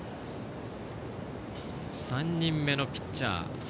３人目のピッチャー。